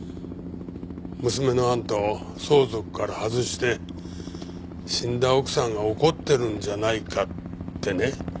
娘のあんたを相続から外して死んだ奥さんが怒ってるんじゃないかってね。